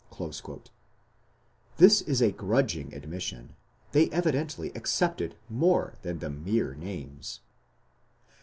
" This is a grudging admission; they evidently accepted more than the mere names.